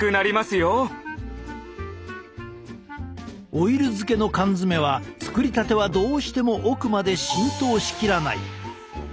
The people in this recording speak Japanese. オイル漬けの缶詰は作りたてはどうしても奥まで浸透しきらない。